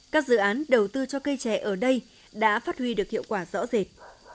các dự án đầu tư cho cây trẻ ở đây đã phát huy được hiệu quả rõ rệt